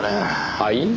はい？